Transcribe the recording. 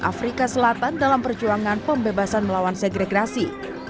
afrika selatan dalam perjuangan pembebasan melawan segregrasi